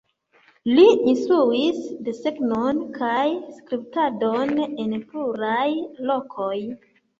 Li instruis desegnon kaj skulptadon en pluraj lokoj.